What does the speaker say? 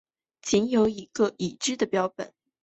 仅有一个已知的标本。